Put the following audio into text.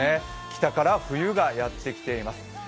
北から冬がやってきています。